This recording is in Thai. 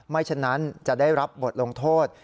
ฉะนั้นจะได้รับบทลงโทษ